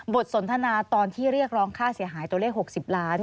สนทนาตอนที่เรียกร้องค่าเสียหายตัวเลข๖๐ล้าน